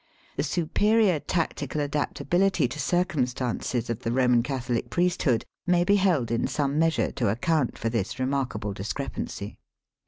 The superior tactical adaptabihty to circumstances of the Eoman Catholic priesthood may be held in some measure to account for this remarkable dis crepancy.